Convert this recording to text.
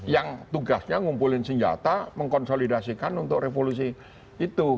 yang tugasnya ngumpulin senjata mengkonsolidasikan untuk revolusi itu